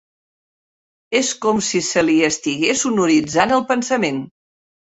És com si se li estigués sonoritzant el pensament.